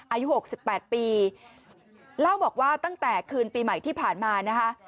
อายุ๖๘ปีเล่าบอกว่าตั้งแต่คืนปีใหม่ที่ผ่านมานะคะ